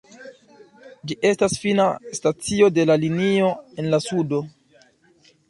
Ĝi estas fina stacio de la linio en la sudo.